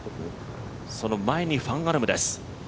その前にファン・アルムです。